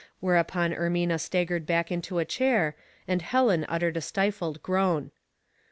Whereupon Ermina staggered back into a chair, and Heleu uttered a stifled groan.